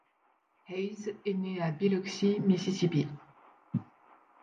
Haise est né à Biloxi, Mississippi.